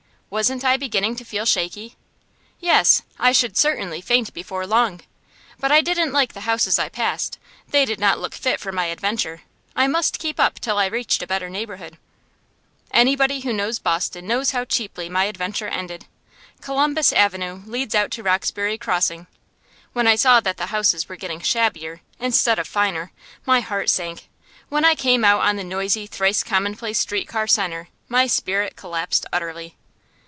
Wasn't I beginning to feel shaky? Yes; I should certainly faint before long. But I didn't like the houses I passed. They did not look fit for my adventure. I must keep up till I reached a better neighborhood. Anybody who knows Boston knows how cheaply my adventure ended. Columbus Avenue leads out to Roxbury Crossing. When I saw that the houses were getting shabbier, instead of finer, my heart sank. When I came out on the noisy, thrice commonplace street car centre, my spirit collapsed utterly.